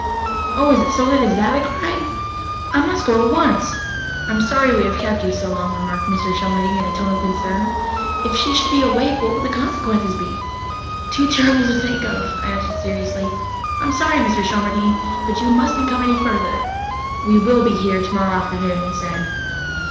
"Oh, is it so late as that?" I cried. "I must go at once." "I'm sorry we have kept you so long," remarked Mr. Shelmardine in a tone of concern. "If she should be awake, what will the consequences be?" "Too terrible to think of," I answered seriously. "I'm sorry, Mr. Shelmardine, but you mustn't come any further." "We will be here tomorrow afternoon," he said.